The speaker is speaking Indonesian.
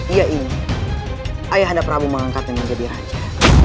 ia ini ayah anda prabu mengangkatnya jadi raja